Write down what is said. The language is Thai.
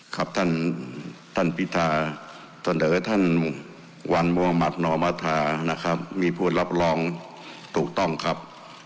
ครับท่านปีธาเสนอท่านวันมุธมัตินอมธามีพูดรับรองถูกต้องครับ